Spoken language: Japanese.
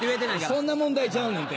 そんな問題ちゃうねんて。